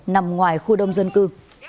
nằm ngoài khu đông dân cư